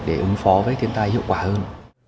để ứng phó với thiên tai hiệu quả hơn